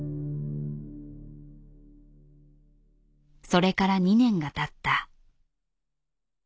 それから２年がたった。